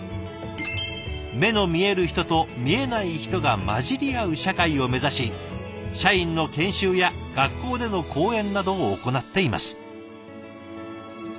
「目の見える人と見えない人が混じりあう社会」を目指し社員の研修や学校での講演などを行っています。